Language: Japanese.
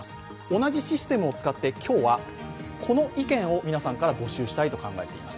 同じシステムを使って今日はこの意見を皆さんから募集したいと考えています。